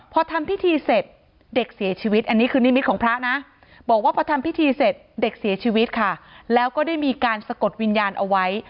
พอทำพิธีเสร็จเด็กเสียชีวิตอันนี้คือนิมิตของพระนะบอกว่าพอทำพิธีเสร็จเด็กเสียชีวิตค่ะแล้วก็ได้มีการสะกดวิญญาณเอาไว้